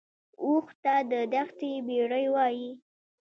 اوښ ته د دښتې بیړۍ وایي